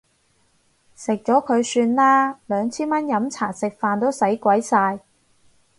食咗佢算啦，兩千蚊飲茶食飯都使鬼晒